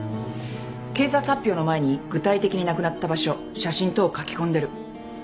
警察発表の前に具体的に亡くなった場所写真等書き込んでる。